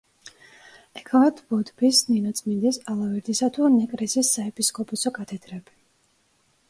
ეკავათ ბოდბის, ნინოწმინდის, ალავერდისა თუ ნეკრესის საეპისკოპოსო კათედრები.